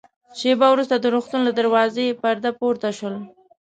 شېبه وروسته د روغتون له دروازې پرده پورته شول.